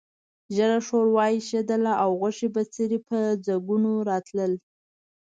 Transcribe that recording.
ژېړه ښوروا اېشېدله او غوښې بڅري په ځګونو راتلل.